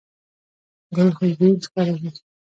ګل خوشبويي خپروي.